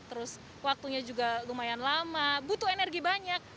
terus waktunya juga lumayan lama butuh energi banyak